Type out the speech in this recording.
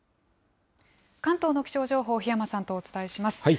関東の気象情報、檜山さんとお伝えします。